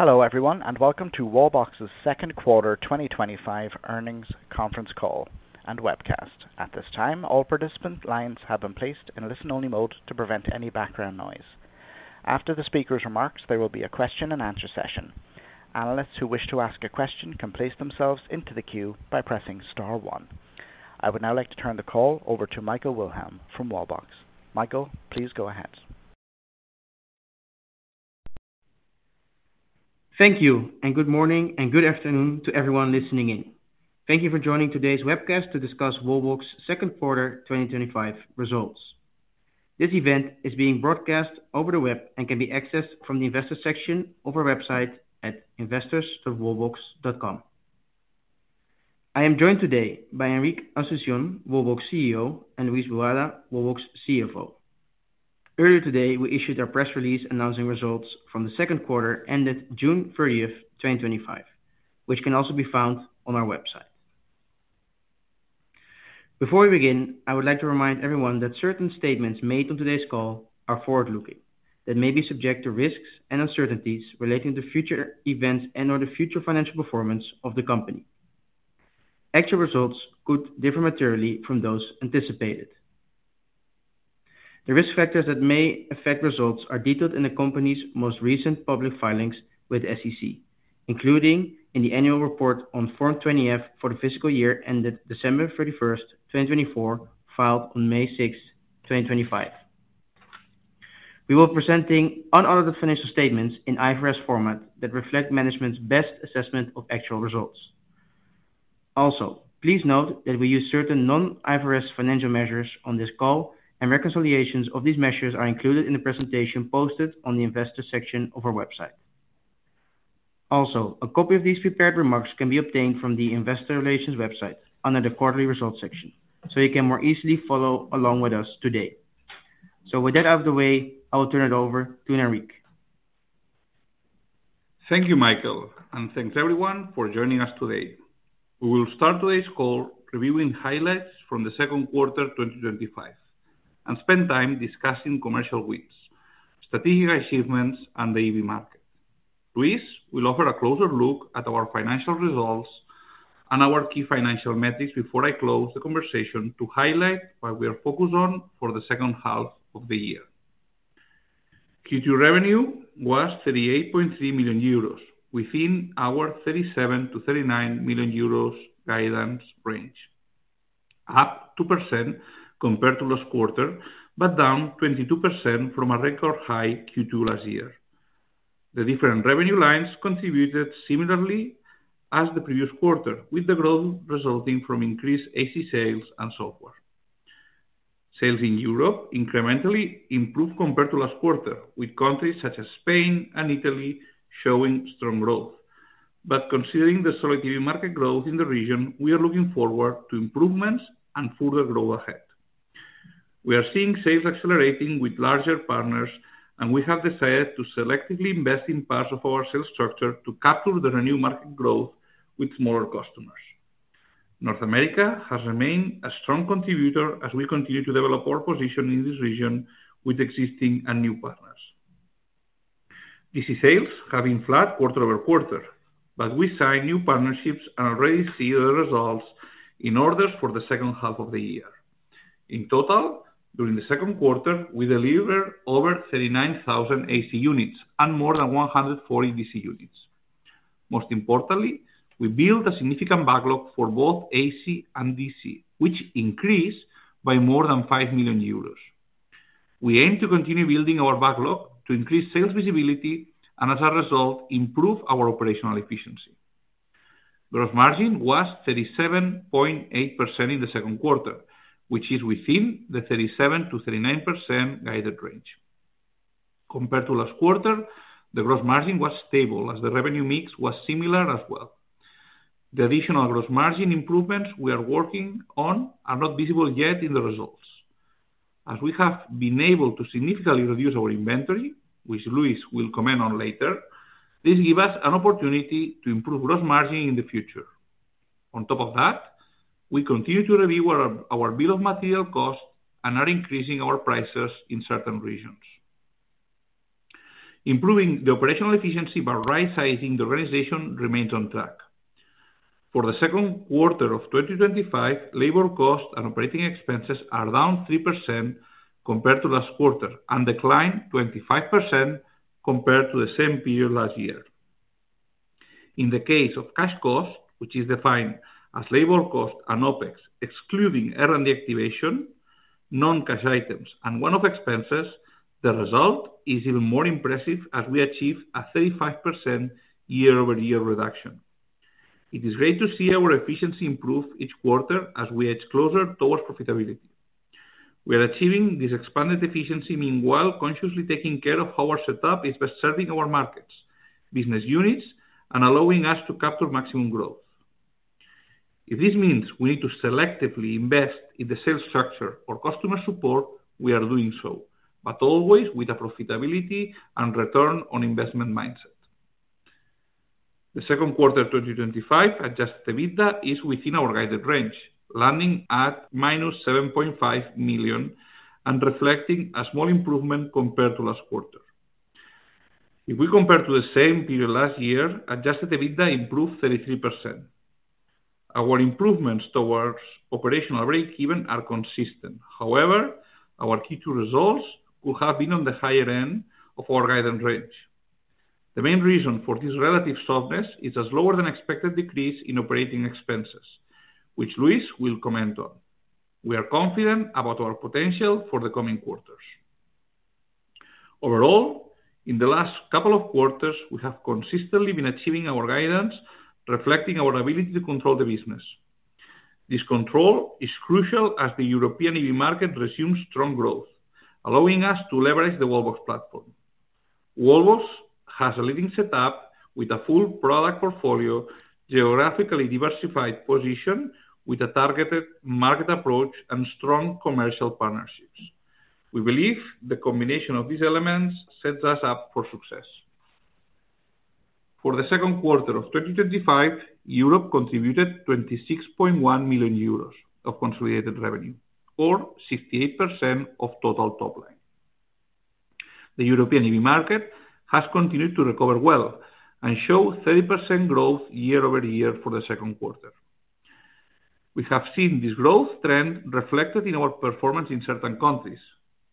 Hello everyone, and welcome to Wallbox's second quarter 2025 earnings conference call and webcast. At this time, all participant lines have been placed in listen-only mode to prevent any background noise. After the speaker's remarks, there will be a question and answer session. Analysts who wish to ask a question can place themselves into the queue by pressing star, one. I would now like to turn the call over to Michael Wilhelm from Wallbox. Michael, please go ahead. Thank you, and good morning and good afternoon to everyone listening in. Thank you for joining today's webcast to discuss Wallbox's second quarter 2025 results. This event is being broadcast over the web and can be accessed from the investor section of our website at investors.wallbox.com. I am joined today by Enric Asunción, Wallbox CEO, and Luis Boada, Wallbox CFO. Earlier today, we issued our press release announcing results from the second quarter ended June 30th, 2025, which can also be found on our website. Before we begin, I would like to remind everyone that certain statements made on today's call are forward-looking, that may be subject to risks and uncertainties relating to future events and/or the future financial performance of the company. Actual results could differ materially from those anticipated. The risk factors that may affect results are detailed in the company's most recent public filings with the SEC, including in the annual report on Form 20-F for the fiscal year ended December 31st, 2024, filed on May 6, 2025. We will be presenting unaudited financial statements in IFRS format that reflect management's best assessment of actual results. Also, please note that we use certain non-IFRS financial measures on this call, and reconciliations of these measures are included in the presentation posted on the investor section of our website. Also, a copy of these prepared remarks can be obtained from the investor relations website under the quarterly results section, so you can more easily follow along with us today. With that out of the way, I will turn it over to Enric. Thank you, Michael, and thanks everyone for joining us today. We will start today's call reviewing highlights from the second quarter 2025 and spend time discussing commercial wins, strategic achievements, and the EV market. Luis will offer a closer look at our financial results and our key financial metrics before I close the conversation to highlight what we are focused on for the second half of the year. Q2 revenue was €38.3 million, within our €37 million-€39 million guidance range, up 2% compared to last quarter, but down 22% from a record high Q2 last year. The different revenue lines contributed similarly as the previous quarter, with the growth resulting from increased AC sales and software. Sales in Europe incrementally improved compared to last quarter, with countries such as Spain and Italy showing strong growth. Considering the solid EV market growth in the region, we are looking forward to improvements and further growth ahead. We are seeing sales accelerating with larger partners, and we have decided to selectively invest in parts of our sales structure to capture the renewed market growth with smaller customers. North America has remained a strong contributor as we continue to develop our position in this region with existing and new partners. AC sales have been flat quarter over quarter, but we signed new partnerships and already see the results in orders for the second half of the year. In total, during the second quarter, we delivered over 39,000 AC units and more than 140 DC units. Most importantly, we built a significant backlog for both AC and DC, which increased by more than €5 million. We aim to continue building our backlog to increase sales visibility and, as a result, improve our operational efficiency. Gross margin was 37.8% in the second quarter, which is within the 37% to 39% guided range. Compared to last quarter, the gross margin was stable as the revenue mix was similar as well. The additional gross margin improvements we are working on are not visible yet in the results. As we have been able to significantly reduce our inventory, which Luis will comment on later, this gives us an opportunity to improve gross margin in the future. On top of that, we continue to review our bill of material costs and are increasing our prices in certain regions. Improving the operational efficiency by right-sizing the organization remains on track. For the second quarter of 2025, labor costs and operating expenses are down 3% compared to last quarter and declined 25% compared to the same period last year. In the case of cash costs, which is defined as labor costs and OpEx, excluding R&D activation, non-cash items, and one-off expenses, the result is even more impressive as we achieve a 35% year-over-year reduction. It is great to see our efficiency improve each quarter as we edge closer towards profitability. We are achieving this expanded efficiency, meanwhile consciously taking care of how our setup is best serving our markets, business units, and allowing us to capture maximum growth. If this means we need to selectively invest in the sales structure or customer support, we are doing so, but always with a profitability and return on investment mindset. The second quarter 2025 adjusted EBITDA is within our guided range, landing at -$7.5 million and reflecting a small improvement compared to last quarter. If we compare to the same period last year, adjusted EBITDA improved 33%. Our improvements towards operational breakeven are consistent. However, our Q2 results will have been on the higher end of our guidance range. The main reason for this relative softness is a slower than expected decrease in operating expenses, which Luis will comment on. We are confident about our potential for the coming quarters. Overall, in the last couple of quarters, we have consistently been achieving our guidance, reflecting our ability to control the business. This control is crucial as the European EV market resumes strong growth, allowing us to leverage the Wallbox platform. Wallbox has a leading setup with a full product portfolio, geographically diversified position with a targeted market approach and strong commercial partnerships. We believe the combination of these elements sets us up for success. For the second quarter of 2025, Europe contributed €26.1 million of consolidated revenue, or 68% of total top line. The European EV market has continued to recover well and shows 30% growth year-over-year for the second quarter. We have seen this growth trend reflected in our performance in certain countries,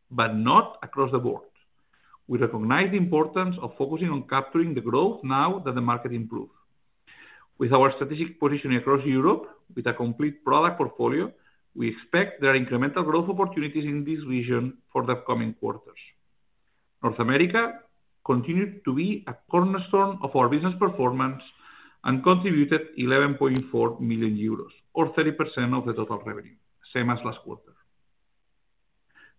but not across the board. We recognize the importance of focusing on capturing the growth now that the market improves. With our strategic positioning across Europe, with a complete product portfolio, we expect there are incremental growth opportunities in this region for the upcoming quarters. North America continued to be a cornerstone of our business performance and contributed €11.4 million, or 30% of the total revenue, same as last quarter.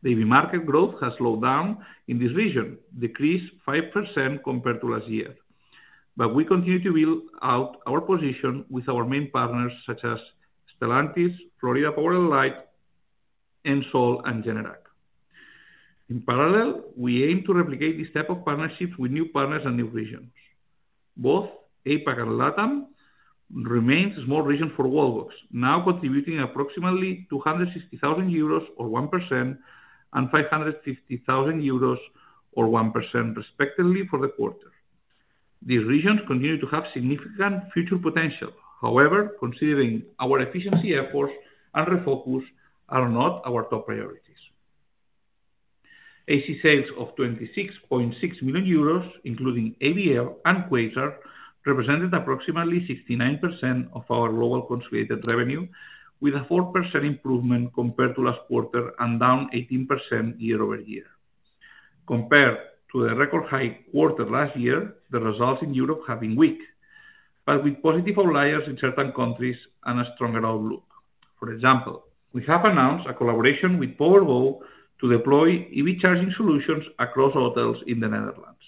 The EV market growth has slowed down in this region, decreased 5% compared to last year, but we continue to build out our position with our main partners such as Stellantis, Florida Power & Light, Ensol, and Generac. In parallel, we aim to replicate this type of partnerships with new partners and new regions. Both APAC and LATAM remain small regions for Wallbox, now contributing approximately €260,000 or 1% and €550,000 or 1% respectively for the quarter. These regions continue to have significant future potential. However, considering our efficiency efforts and refocus, are not our top priorities. AC sales of €26.6 million, including ABL and Quasar, represented approximately 69% of our global consolidated revenue, with a 4% improvement compared to last quarter and down 18% year-over-year. Compared to the record high quarter last year, the results in Europe have been weak, but with positive outliers in certain countries and a stronger outlook. For example, we have announced a collaboration with PowerGo to deploy EV charging solutions across hotels in the Netherlands.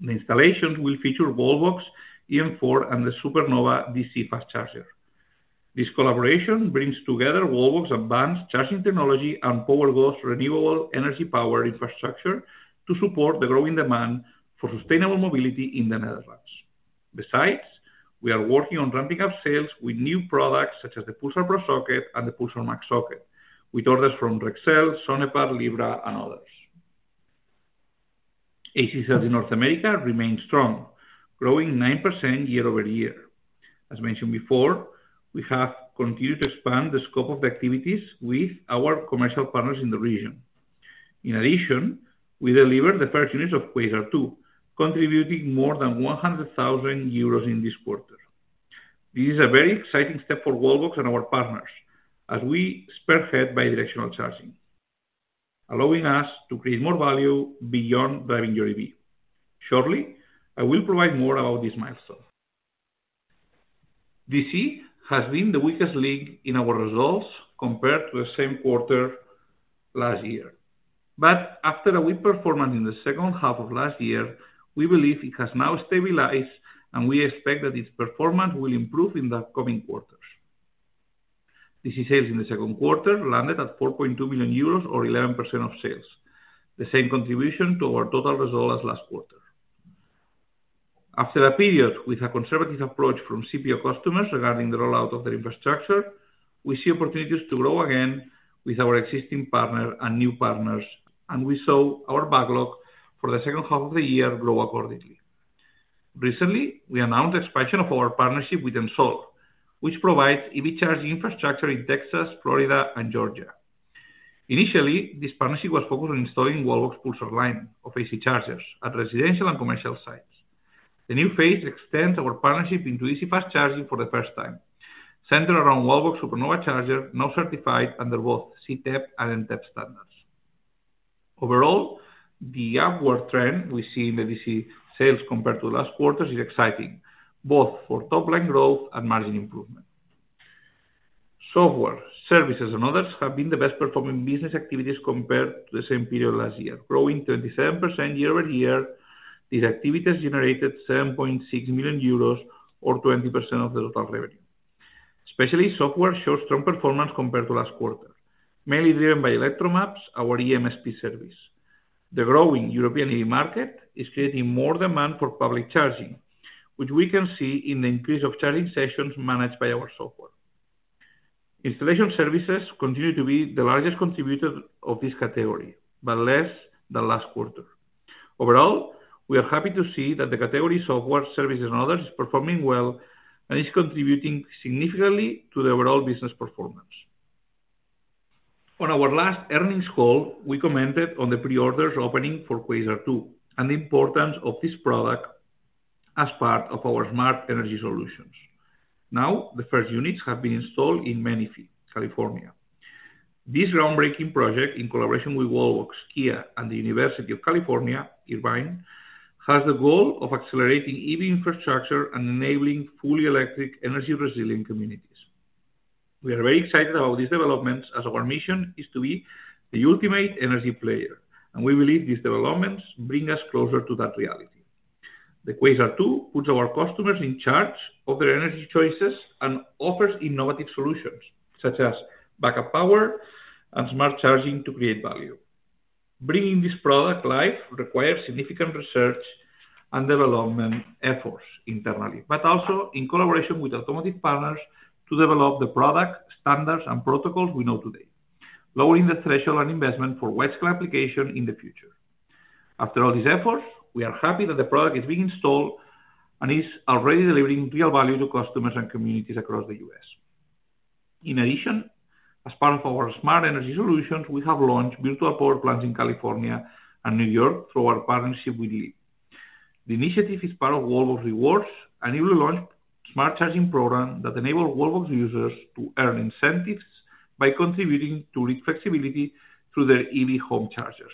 The installations will feature Wallbox eM4 and the Supernova DC fast charger. This collaboration brings together Wallbox advanced charging technology and PowerGo's renewable energy power infrastructure to support the growing demand for sustainable mobility in the Netherlands. Besides, we are working on ramping up sales with new products such as the Pulsar Pro Socket and the Pulsar Max Socket, with orders from Rexel, Sonepar, Libra, and others. AC sales in North America remain strong, growing 9% year-over-year. As mentioned before, we have continued to expand the scope of activities with our commercial partners in the region. In addition, we delivered the first units of Quasar 2, contributing more than €100,000 in this quarter. This is a very exciting step for Wallbox and our partners as we spearhead bidirectional charging, allowing us to create more value beyond driving your EV. Shortly, I will provide more about this milestone. DC has been the weakest link in our results compared to the same quarter last year. After a weak performance in the second half of last year, we believe it has now stabilized and we expect that its performance will improve in the upcoming quarters. DC sales in the second quarter landed at €4.2 million or 11% of sales, the same contribution to our total result as last quarter. After a period with a conservative approach from CPO customers regarding the rollout of their infrastructure, we see opportunities to grow again with our existing partners and new partners, and we saw our backlog for the second half of the year grow accordingly. Recently, we announced the expansion of our partnership with Ensol, which provides EV charging infrastructure in Texas, Florida, and Georgia. Initially, this partnership was focused on installing Wallbox's Pulsar line of AC chargers at residential and commercial sites. The new phase extends our partnership into DC fast charging for the first time, centered around Wallbox Supernova charger, now certified under both CTEP and NTEP standards. Overall, the upward trend we see in the DC sales compared to the last quarter is exciting, both for top line growth and margin improvement. Software, services, and others have been the best performing business activities compared to the same period last year, growing 27% year-ove- year. These activities generated €7.6 million or 20% of the total revenue. Especially software shows strong performance compared to last quarter, mainly driven by Electromaps, our eMSP service. The growing European EV market is creating more demand for public charging, which we can see in the increase of charging sessions managed by our software. Installation services continue to be the largest contributor of this category, but less than last quarter. Overall, we are happy to see that the category software, services, and others is performing well and is contributing significantly to the overall business performance. On our last earnings call, we commented on the pre-orders opening for Quasar 2 and the importance of this product as part of our Smart Energy Solutions. Now, the first units have been installed in Manatee, California. This groundbreaking project in collaboration with Wallbox, Kia, and the University of California, Irvine has the goal of accelerating EV infrastructure and enabling fully electric energy-resilient communities. We are very excited about these developments as our mission is to be the ultimate energy player, and we believe these developments bring us closer to that reality. The Quasar 2 puts our customers in charge of their energy choices and offers innovative solutions such as backup power and smart charging to create value. Bringing this product to life requires significant research and development efforts internally, but also in collaboration with automotive partners to develop the product standards and protocols we know today, lowering the threshold and investment for widescreen application in the future. After all these efforts, we are happy that the product is being installed and is already delivering real value to customers and communities across the U.S. In addition, as part of our Smart Energy solutions, we have launched virtual power plants in California and New York through our partnership with Leap. The initiative is part of Wallbox Rewards and even launched a smart charging program that enables Wallbox users to earn incentives by contributing to flexibility through their EV home chargers.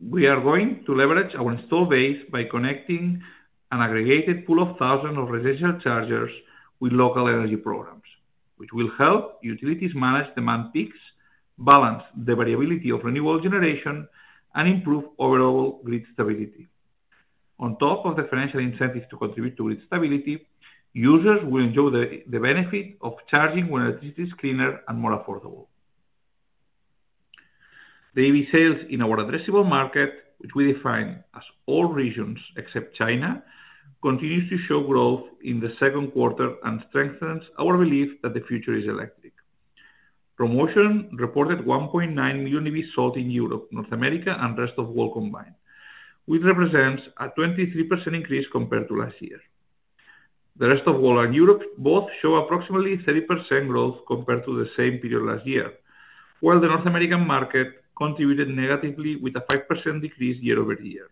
We are going to leverage our install base by connecting an aggregated pool of thousands of residential chargers with local energy programs, which will help utilities manage demand peaks, balance the variability of renewable generation, and improve overall grid stability. On top of the financial incentives to contribute to grid stability, users will enjoy the benefit of charging when electricity is cleaner and more affordable. The EV sales in our addressable market, which we define as all regions except China, continue to show growth in the second quarter and strengthen our belief that the future is electric. Promotion reported 1.9 million EVs sold in Europe, North America, and the rest of the world combined, which represents a 23% increase compared to last year. The rest of the world and Europe both show approximately 30% growth compared to the same period last year, while the North American market contributed negatively with a 5% decrease year-over-year.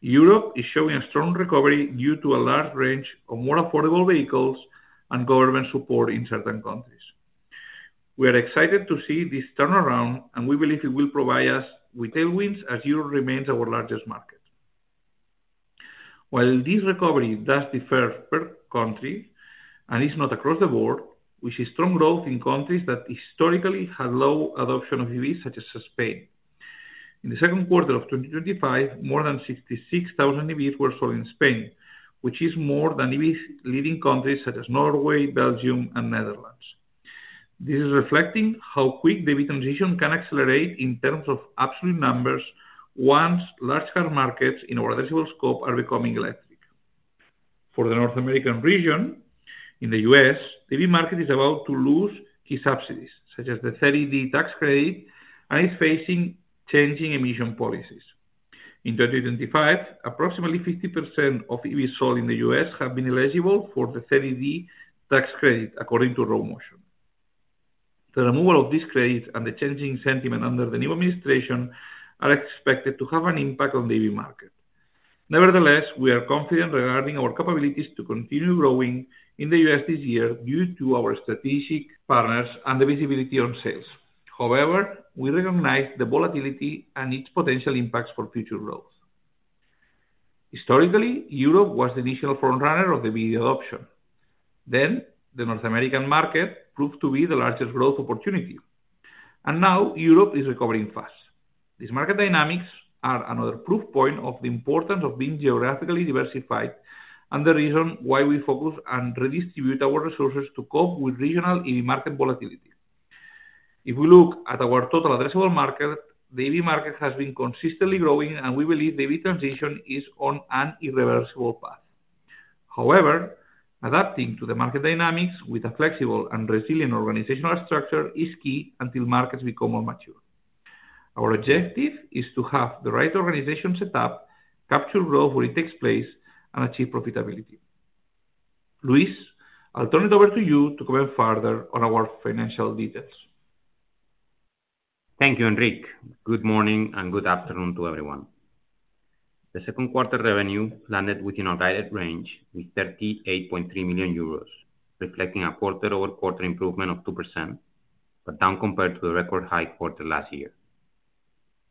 Europe is showing a strong recovery due to a large range of more affordable vehicles and government support in certain countries. We are excited to see this turnaround, and we believe it will provide us with tailwinds as Europe remains our largest market. While this recovery does differ per country and is not across the board, we see strong growth in countries that historically had low adoption of EVs such as Spain. In the second quarter of 2025, more than 66,000 EVs were sold in Spain, which is more than EVs leading countries such as Norway, Belgium, and the Netherlands. This is reflecting how quick the EV transition can accelerate in terms of absolute numbers once large car markets in our addressable scope are becoming electric. For the North American region, in the U.S., the EV market is about to lose key subsidies such as the 30D tax credit and is facing changing emission policies. In 2025, approximately 50% of EVs sold in the U.S. have been eligible for the 30D tax credit according to Rho Motion. The removal of this credit and the changing sentiment under the new administration are expected to have an impact on the EV market. Nevertheless, we are confident regarding our capabilities to continue growing in the U.S. this year due to our strategic partners and the visibility on sales. However, we recognize the volatility and its potential impacts for future growth. Historically, Europe was the initial frontrunner of the EV adoption. The North American market proved to be the largest growth opportunity, and now Europe is recovering fast. These market dynamics are another proof point of the importance of being geographically diversified and the reason why we focus and redistribute our resources to cope with regional EV market volatility. If we look at our total addressable market, the EV market has been consistently growing, and we believe the EV transition is on an irreversible path. However, adapting to the market dynamics with a flexible and resilient organizational structure is key until markets become more mature. Our objective is to have the right organization set up, capture growth where it takes place, and achieve profitability. Luis, I'll turn it over to you to comment further on our financial details. Thank you, Enric. Good morning and good afternoon to everyone. The second quarter revenue landed within our guided range with €38.3 million, reflecting a quarter-over-quarter improvement of 2%, but down compared to the record high quarter last year.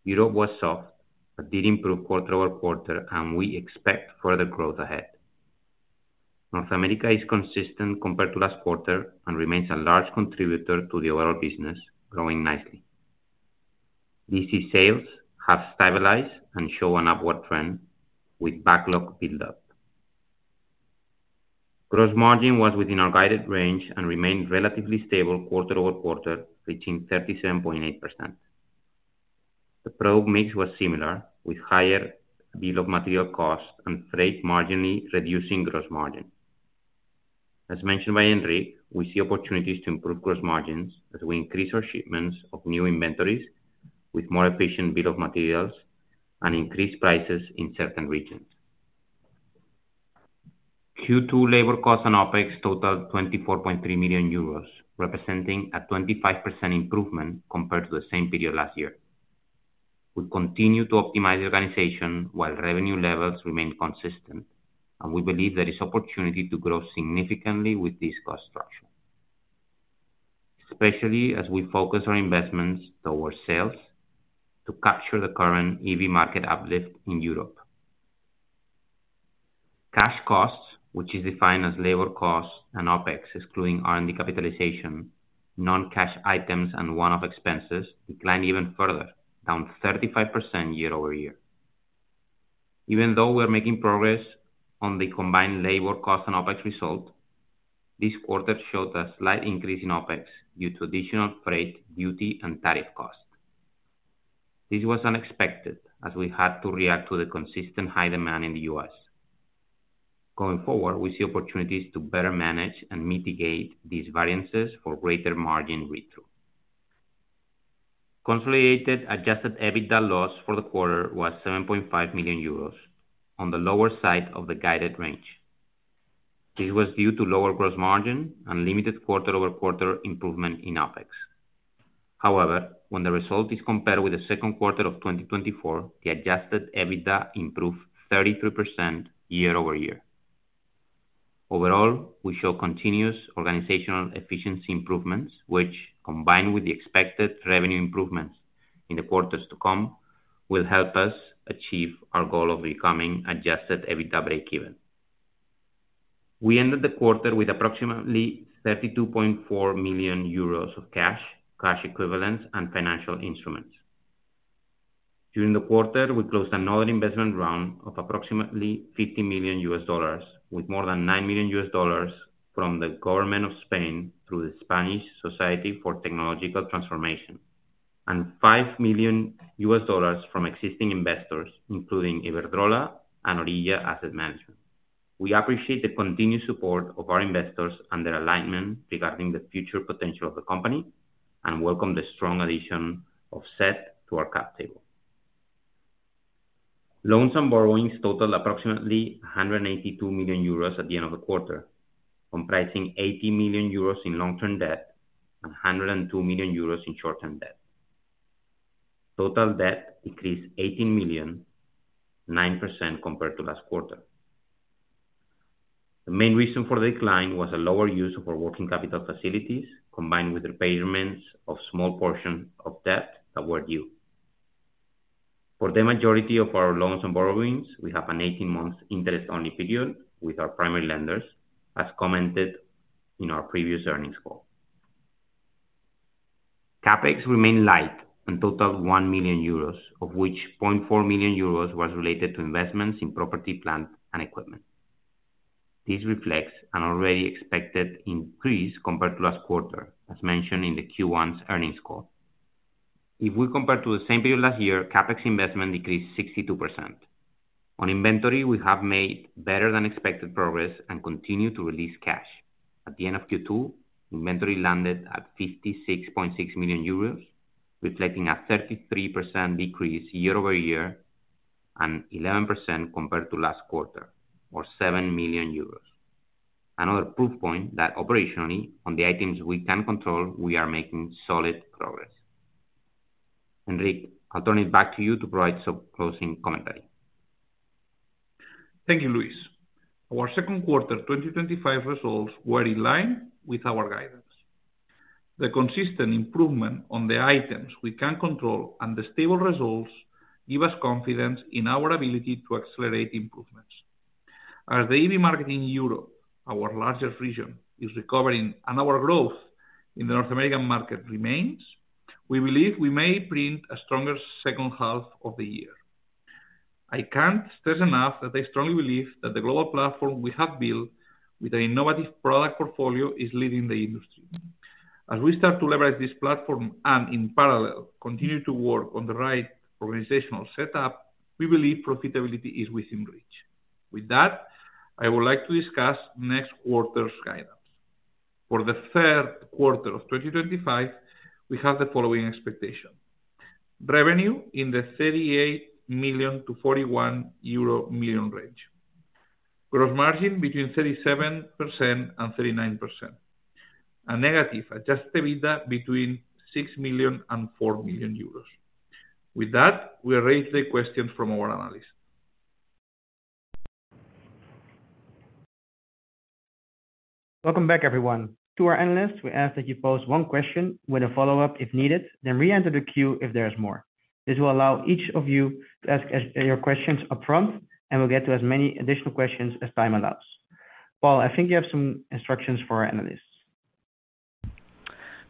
Europe was soft, but did improve quarter-over-quarter, and we expect further growth ahead. North America is consistent compared to last quarter and remains a large contributor to the overall business, growing nicely. DC sales have stabilized and show an upward trend with backlog buildup. Gross margin was within our guided range and remained relatively stable quarter-over-quarter, reaching 37.8%. The product mix was similar, with higher bill of material costs and freight marginally reducing gross margin. As mentioned by Enric, we see opportunities to improve gross margins as we increase our shipments of new inventories with more efficient bill of materials and increased prices in certain regions. Q2 labor costs and OpEx total €24.3 million, representing a 25% improvement compared to the same period last year. We continue to optimize the organization while revenue levels remain consistent, and we believe there is opportunity to grow significantly with this cost structure, especially as we focus our investments towards sales to capture the current EV market uplift in Europe. Cash costs, which is defined as labor costs and OpEx, excluding R&D capitalization, non-cash items, and one-off expenses, declined even further, down 35% year-over-year. Even though we're making progress on the combined labor cost and OpEx result, this quarter showed a slight increase in OpEx due to additional freight, duty, and tariff costs. This was unexpected as we had to react to the consistent high demand in the U.S. Going forward, we see opportunities to better manage and mitigate these variances for greater margin read-through. Consolidated adjusted EBITDA loss for the quarter was €7.5 million, on the lower side of the guided range. This was due to lower gross margin and limited quarter-over-quarter improvement in OpEx. However, when the result is compared with the second quarter of 2023, the adjusted EBITDA improved 33% year over year. Overall, we show continuous organizational efficiency improvements, which, combined with the expected revenue improvements in the quarters to come, will help us achieve our goal of becoming adjusted EBITDA break-even. We ended the quarter with approximately €32.4 million of cash, cash equivalents, and financial instruments. During the quarter, we closed another investment round of approximately $50 million, with more than $9 million from the government of Spain through the Spanish Society for Technological Transformation and $5 million from existing investors, including Iberdrola and Orilla Asset Management. We appreciate the continued support of our investors and their alignment regarding the future potential of the company and welcome the strong addition of SETT to our cap table. Loans and borrowings totaled approximately €182 million at the end of the quarter, comprising €80 million in long-term debt and €102 million in short-term debt. Total debt decreased €18 million, 9% compared to last quarter. The main reason for the decline was a lower use of our working capital facilities, combined with repayments of small portions of debt that were due. For the majority of our loans and borrowings, we have an 18-month interest-only period with our primary lenders, as commented in our previous earnings call. CapEx remained light and totaled €1 million, of which €0.4 million was related to investments in property, plant, and equipment. This reflects an already expected increase compared to last quarter, as mentioned in the Q1 earnings call. If we compare to the same period last year, CapEx investment decreased 62%. On inventory, we have made better-than-expected progress and continue to release cash. At the end of Q2, inventory landed at €56.6 million, reflecting a 33% decrease year-over-year and 11% compared to last quarter, or €7 million. Another proof point that operationally, on the items we can control, we are making solid progress. Enric, I'll turn it back to you to provide some closing commentary. Thank you, Luis. Our second quarter 2025 results were in line with our guidance. The consistent improvement on the items we can control and the stable results give us confidence in our ability to accelerate improvements. As the EV market in Europe, our largest region, is recovering and our growth in the North American market remains, we believe we may print a stronger second half of the year. I can't stress enough that I strongly believe that the global platform we have built with an innovative product portfolio is leading the industry. As we start to leverage this platform and, in parallel, continue to work on the right organizational setup, we believe profitability is within reach. With that, I would like to discuss next quarter's guidance. For the third quarter of 2025, we have the following expectation: revenue in the €38 million to €41 million range, gross margin between 37% and 39%, and negative adjusted EBITDA between €6 million and €4 million. With that, we arrange the questions from our analysts. Welcome back, everyone. To our analysts, we ask that you pose one question with a follow-up if needed, then re-enter the queue if there is more. This will allow each of you to ask your questions upfront, and we'll get to as many additional questions as time allows. Paul, I think you have some instructions for our analysts.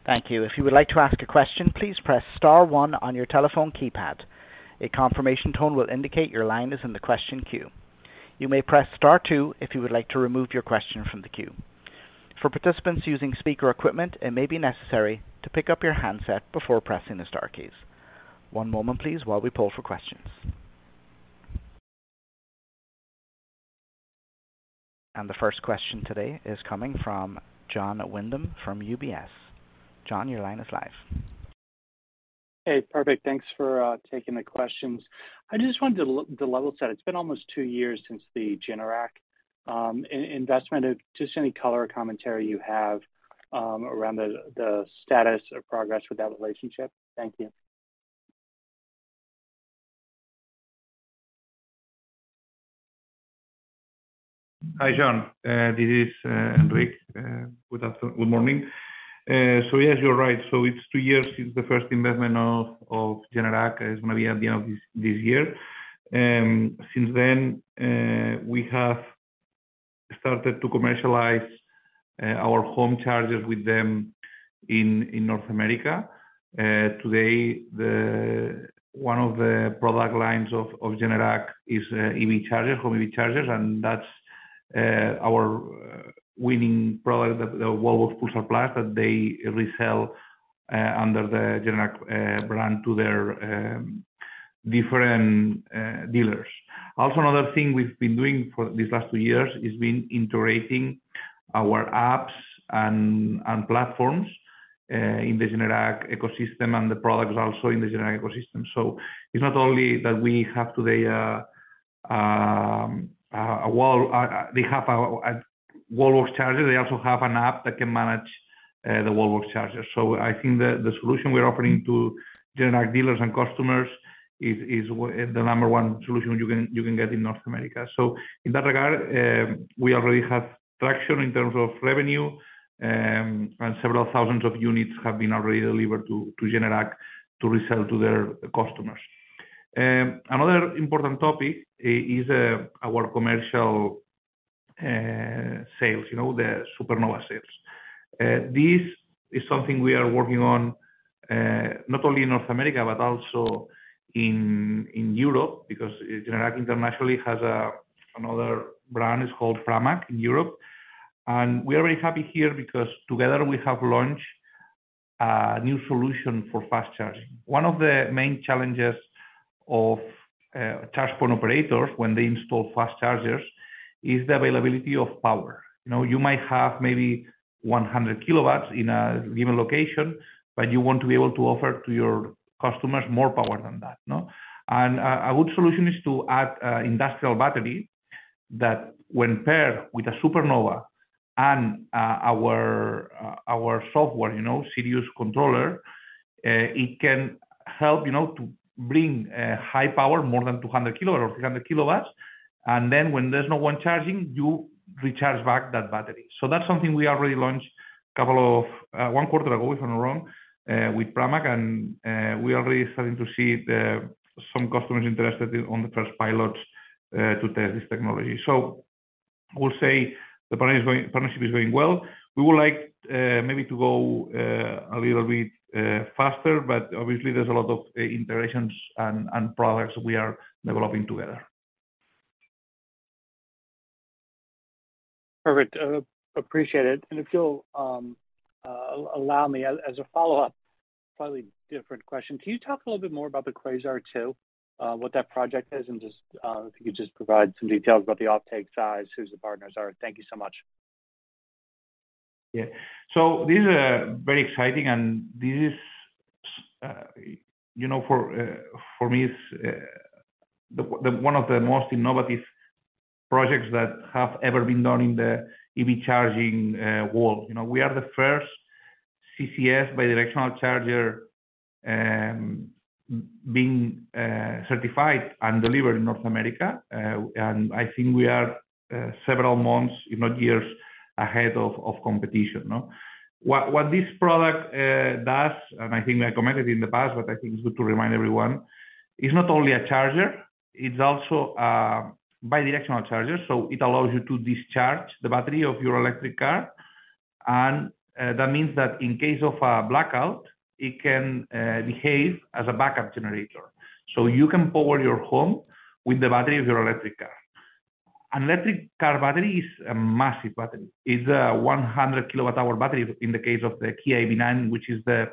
Thank you. If you would like to ask a question, please press star, one on your telephone keypad. A confirmation tone will indicate your line is in the question queue. You may press star, two if you would like to remove your question from the queue. For participants using speaker equipment, it may be necessary to pick up your handset before pressing the star keys. One moment, please, while we pull for questions. The first question today is coming from Jon Windham from UBS. Jon, your line is live. Hey, perfect. Thanks for taking the questions. I just wanted to level set. It's been almost two years since the Generac investment. If just any color or commentary you have around the status of progress with that relationship, thank you. Hi, Jon. This is Enric. Good morning. Yes, you're right. It's two years since the first investment of Generac is going to be at the end of this year. Since then, we have started to commercialize our home chargers with them in North America. Today, one of the product lines of Generac is EV chargers, home EV chargers, and that's our winning product, the Wallbox Pulsar Plus, that they resell under the Generac brand to their different dealers. Another thing we've been doing for these last two years has been integrating our apps and platforms in the Generac ecosystem and the products also in the Generac ecosystem. It's not only that we have today a wall, they have a Wallbox charger, they also have an app that can manage the Wallbox charger. I think the solution we're offering to Generac dealers and customers is the number one solution you can get in North America. In that regard, we already have traction in terms of revenue, and several thousands of units have been already delivered to Generac to resell to their customers. Another important topic is our commercial sales, you know, the Supernova sales. This is something we are working on not only in North America, but also in Europe because Generac internationally has another brand, it's called Pramac in Europe. We are very happy here because together we have launched a new solution for fast charging. One of the main challenges of charge point operators when they install fast chargers is the availability of power. You might have maybe 100 kW in a given location, but you want to be able to offer to your customers more power than that. A good solution is to add an industrial battery that when paired with a Supernova and our software, you know, Sirius controller, it can help to bring high power, more than 200 kW or 300 kW. When there's no one charging, you recharge back that battery. That's something we already launched a couple of one quarter ago, if I'm not wrong, with Pramac, and we are already starting to see some customers interested in the first pilots to test this technology. I will say the partnership is going well. We would like maybe to go a little bit faster, but obviously there's a lot of integrations and products we are developing together. Perfect. Appreciate it. If you'll allow me as a follow-up, slightly different question, can you talk a little bit more about the Quasar 2, what that project is, and just if you could just provide some details about the uptake size, who the partners are. Thank you so much. Yeah. This is very exciting, and this is, you know, for me, one of the most innovative projects that have ever been done in the EV charging world. We are the first CCS bidirectional charger being certified and delivered in North America, and I think we are several months, if not years, ahead of competition. What this product does, and I think I commented in the past, but I think it's good to remind everyone, it's not only a charger, it's also a bidirectional charger. It allows you to discharge the battery of your electric car, and that means that in case of a blackout, it can behave as a backup generator. You can power your home with the battery of your electric car. An electric car battery is a massive battery. It's a 100 kWh battery in the case of the Kia EV9, which is the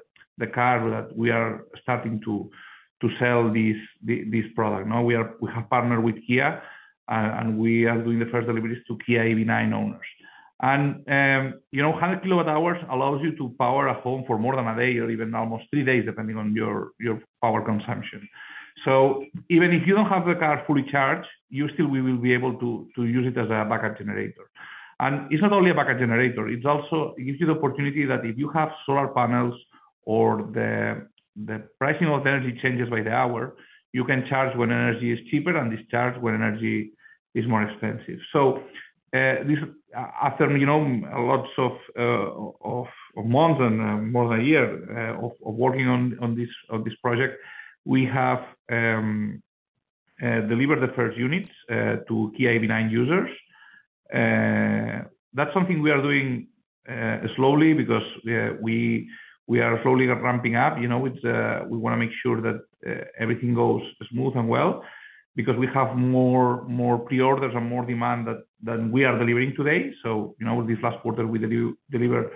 car that we are starting to sell this product. We have partnered with Kia, and we are doing the first deliveries to Kia EV9 owners. You know, 100 kWh allows you to power a home for more than a day or even almost three days, depending on your power consumption. Even if you don't have the car fully charged, you still will be able to use it as a backup generator. It's not only a backup generator, it also gives you the opportunity that if you have solar panels or the pricing of the energy changes by the hour, you can charge when energy is cheaper and discharge when energy is more expensive. After lots of months and more than a year of working on this project, we have delivered the first units to Kia EV9 users. That's something we are doing slowly because we are slowly ramping up. We want to make sure that everything goes smooth and well because we have more pre-orders and more demand than we are delivering today. This last quarter, we delivered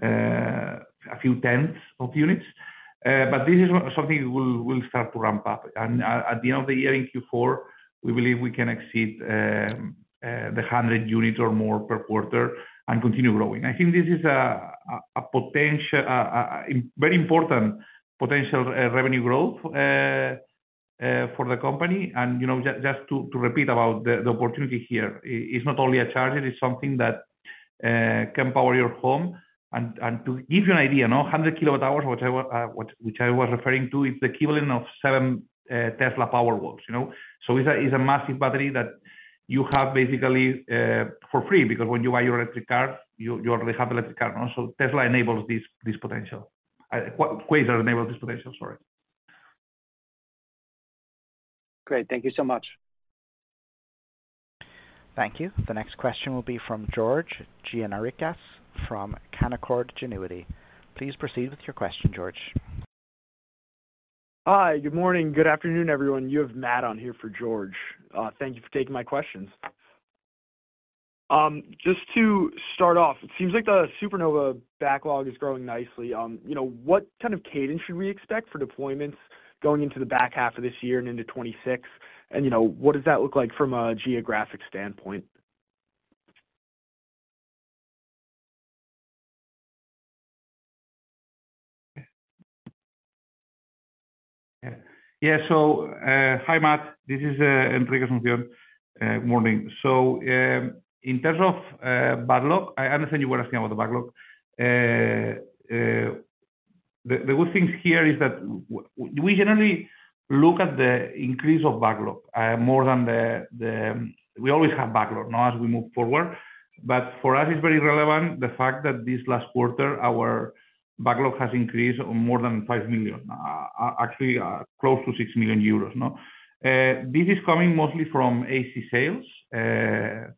a few tens of units, but this is something we'll start to ramp up. At the end of the year in Q4, we believe we can exceed the 100 units or more per quarter and continue growing. I think this is a very important potential revenue growth for the company. Just to repeat about the opportunity here, it's not only a charger, it's something that can power your home. To give you an idea, 100 kWh which I was referring to, is the equivalent of seven Tesla Powerwalls. It's a massive battery that you have basically for free because when you buy your electric car, you already have an electric car. Tesla enables this potential. Quasar enables this potential, sorry. Great. Thank you so much. Thank you. The next question will be from George Gianarikas from Canaccord Genuity. Please proceed with your question, George. Hi, good morning. Good afternoon, everyone. You have Matt on here for George. Thank you for taking my questions. Just to start off, it seems like the Supernova backlog is growing nicely. What kind of cadence should we expect for deployments going into the back half of this year and into 2026? What does that look like from a geographic standpoint? Yeah, so hi, Matt. This is Enric Asunción. Morning. In terms of backlog, I understand you were asking about the backlog. The good thing here is that we generally look at the increase of backlog more than the... We always have backlog as we move forward. For us, it's very relevant the fact that this last quarter, our backlog has increased more than €5 million, actually close to €6 million. This is coming mostly from AC sales,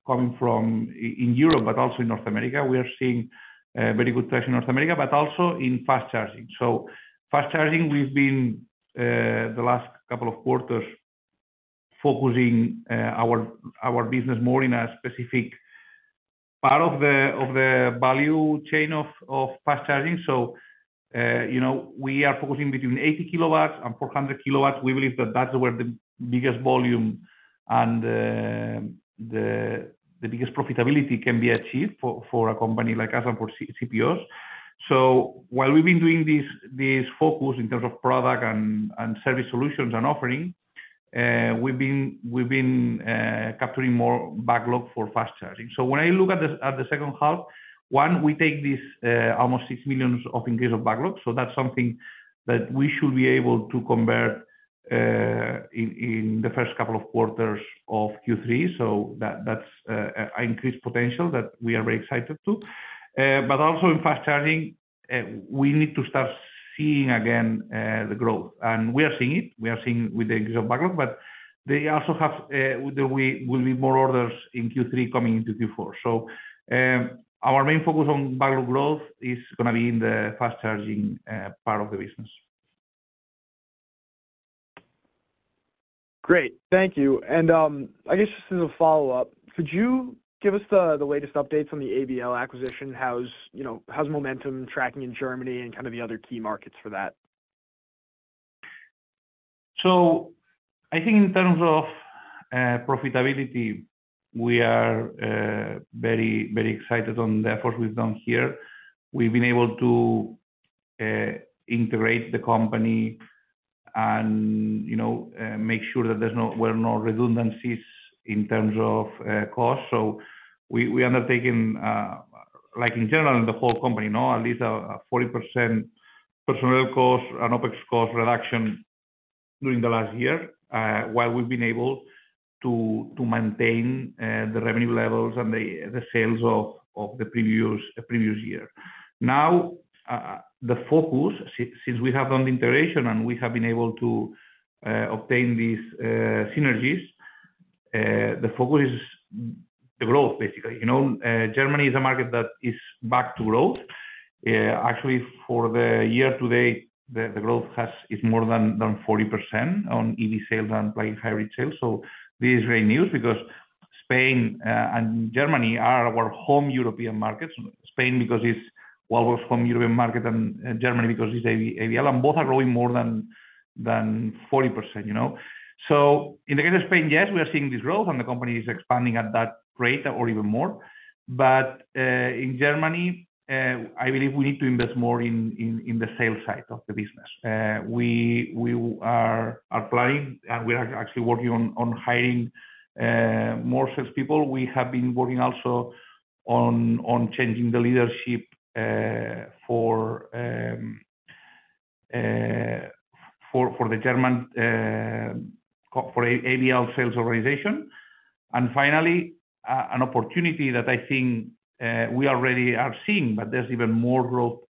coming from Europe, but also in North America. We are seeing very good traction in North America, but also in fast charging. Fast charging, we've been, the last couple of quarters, focusing our business more in a specific part of the value chain of fast charging. We are focusing between 80 kW and 400 kW. We believe that that's where the biggest volume and the biggest profitability can be achieved for a company like us and for CPOs. While we've been doing this focus in terms of product and service solutions and offering, we've been capturing more backlog for fast charging. When I look at the second half, one, we take this almost €6 million of increase of backlog. That's something that we should be able to convert in the first couple of quarters of Q3. That's an increased potential that we are very excited to. Also in fast charging, we need to start seeing again the growth. We are seeing it. We are seeing it with the increase of backlog. There will be more orders in Q3 coming into Q4. Our main focus on backlog growth is going to be in the fast charging part of the business. Great. Thank you. I guess just as a follow-up, could you give us the latest updates on the ABL acquisition? How's momentum tracking in Germany and kind of the other key markets for that? I think in terms of profitability, we are very, very excited on the efforts we've done here. We've been able to integrate the company and make sure that there were no redundancies in terms of cost. We have undertaken, like in general in the whole company, at least a 40% personnel cost and OpEx cost reduction during the last year, while we've been able to maintain the revenue levels and the sales of the previous year. Now, the focus, since we have done the integration and we have been able to obtain these synergies, is the growth, basically. Germany is a market that is back to growth. Actually, for the year to date, the growth is more than 40% on EV sales and plug-in hybrid sales. This is great news because Spain and Germany are our home European markets. Spain, because it's Wallbox home European market, and Germany because it's ABL, and both are growing more than 40%. In the case of Spain, yes, we are seeing this growth and the company is expanding at that rate or even more. In Germany, I believe we need to invest more in the sales side of the business. We are planning and we are actually working on hiring more salespeople. We have been working also on changing the leadership for the German ABL sales organization. Finally, an opportunity that I think we already are seeing, but there's even more growth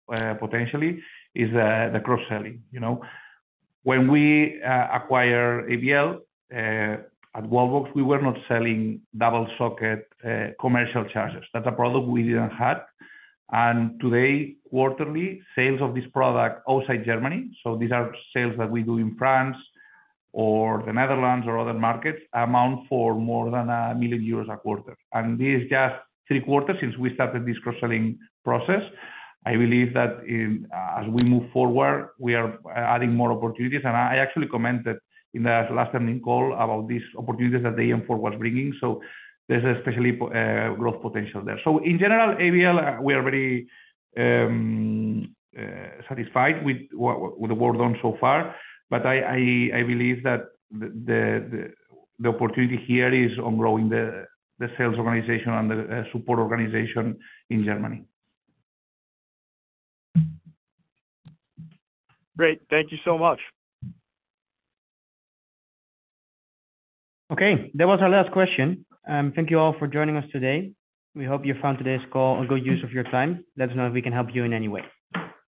potentially, is the cross-selling. When we acquired ABL at Wallbox, we were not selling double socket commercial chargers. That's a product we didn't have. Today, quarterly, sales of this product outside Germany, so these are sales that we do in France or the Netherlands or other markets, amount for more than €1 million a quarter. This is just three quarters since we started this cross-selling process. I believe that as we move forward, we are adding more opportunities. I actually commented in the last earnings call about these opportunities that the eM4 was bringing. There is especially growth potential there. In general, ABL, we are very satisfied with what we've done so far. I believe that the opportunity here is on growing the sales organization and the support organization in Germany. Great. Thank you so much. Okay, that was our last question. Thank you all for joining us today. We hope you found today's call a good use of your time. Let us know if we can help you in any way.